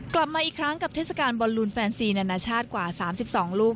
กลับมาอีกครั้งกับเทศกาลบอลลูนแฟนซีนานาชาติกว่า๓๒ลูก